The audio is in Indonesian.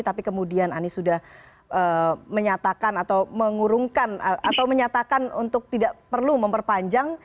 tapi kemudian anies sudah menyatakan atau mengurungkan atau menyatakan untuk tidak perlu memperpanjang